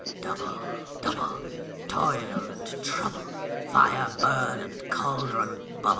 ALL. Double, double, toil and trouble; Fire, burn; and cauldron, bubble.